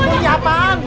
bun ya bang